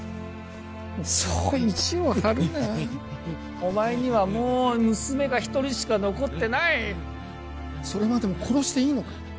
そう意地を張るなお前にはもう娘が一人しか残ってないそれまでも殺していいのか？